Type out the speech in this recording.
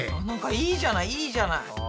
なんかいいじゃないいいじゃない。